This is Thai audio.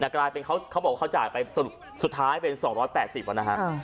แต่กลายเป็นเขาบอกว่าเขาจ่ายไปสุดท้ายเป็น๒๘๐นะฮะ